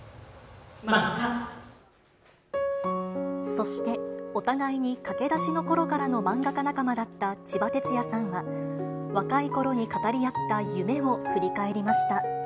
そして、お互いに駆け出しのころからの漫画家仲間だったちばてつやさんは、若いころに語り合った夢を振り返りました。